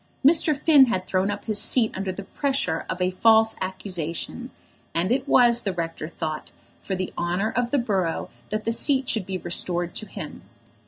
Mr. Finn had thrown up his seat under the pressure of a false accusation, and it was, the rector thought, for the honour of the borough that the seat should be restored to him.